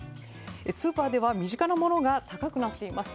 スーパーでは身近なものが高くなっています。